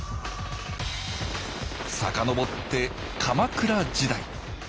遡って鎌倉時代。